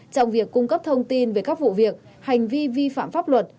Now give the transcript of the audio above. trong việc cung cấp thông tin về các vụ việc hành vi vi phạm pháp luật